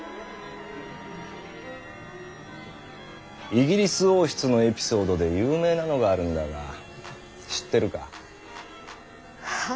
イギリス王室のエピソードで有名なのがあるんだが知ってるか？は？